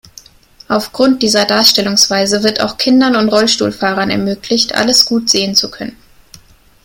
Aufgrund dieser Darstellungsweise wird auch Kindern und Rollstuhlfahrern ermöglicht, alles gut sehen zu können.